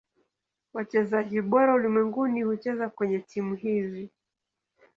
Wachezaji bora ulimwenguni hucheza kwenye timu hizi.